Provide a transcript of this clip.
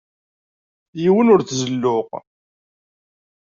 Yiwen ur t-zelluɣ.